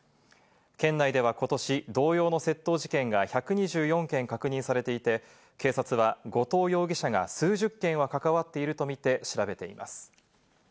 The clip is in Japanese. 県内ではことし同様の窃盗事件が１２４件確認されていて、警察は後藤容疑者が数十件は関わっているとみて調べています。